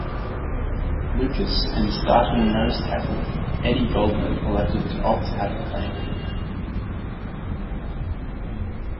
Lucas and starting nose tackle Eddie Goldman elected to opt out of playing.